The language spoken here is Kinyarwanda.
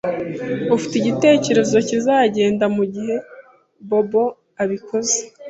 Ufite igitekerezo kizagenda mugihe Bobo abikoze?